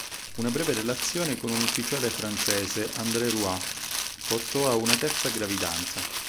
Una breve relazione con un ufficiale francese, André Roy, portò a una terza gravidanza.